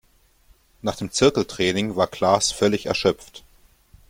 Nach dem Zirkeltraining war Klaas völlig erschöpft.